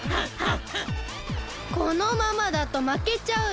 このままだとまけちゃうよ！